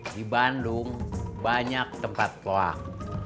di bandung banyak tempat loak